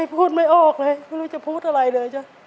พูดไม่ออกเลยไม่รู้จะพูดอะไรเลยจ้ะ